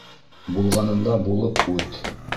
Булғанында булып үт